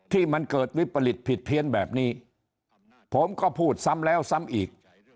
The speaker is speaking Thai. ที่มันเกิดวิปริตผิดเพี้ยนแบบนี้ผมก็พูดซ้ำแล้วซ้ำอีก